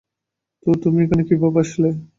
তো, তুমি এখানে কীভাবে আসলে?